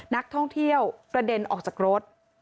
นักท่องเที่ยวกระเด็นออกจากรถ